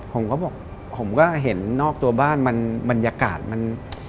ผมก็บอกผมก็เห็นนอกตัวบ้านมันบรรยากาศมัน